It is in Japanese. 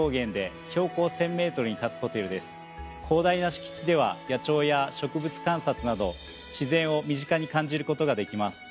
広大な敷地では野鳥や植物観察など自然を身近に感じることができます。